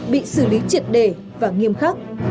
bị xử lý triệt đề và nghiêm khắc